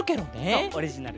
そうオリジナル。